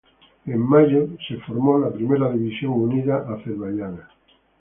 En el mayo fue formada la primera división unida azerbaiyano.